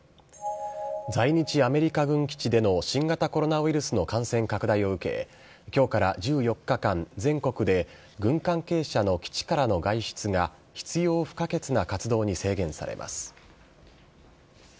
在日アメリカ軍基地での新型コロナウイルスの感染拡大を受け、きょうから１４日間、全国で軍関係者の基地からの外出が、必要不可欠な活動に制限されます。